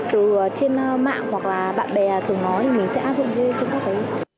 từ trên mạng hoặc là bạn bè thường nói thì mình sẽ áp dụng như thế